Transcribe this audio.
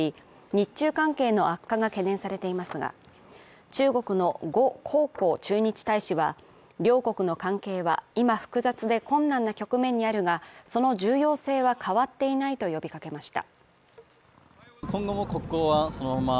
日中関係の悪化が懸念されていますが中国の呉江浩駐日大使は、両国の関係は今複雑で困難な局面にあるが、その重要性は変わっていないと呼びかけました。